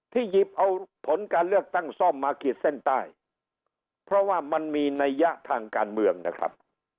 หยิบเอาผลการเลือกตั้งซ่อมมาขีดเส้นใต้เพราะว่ามันมีนัยยะทางการเมืองนะครับ